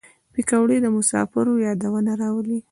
پکورې د مسافرو یادونه راولي